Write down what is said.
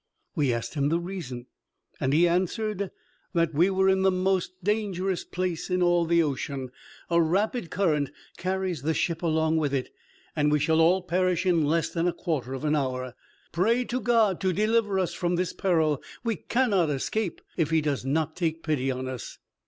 We asked him the reason; and he answered that we were in the most dangerous place in all the ocean. "A rapid current carries the ship along with it, and we shall all perish in less than a quarter of an hour. Pray to God to deliver us from this peril; we cannot escape if He do not take pity on us."